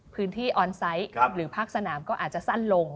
ออนไซต์หรือภาคสนามก็อาจจะสั้นลง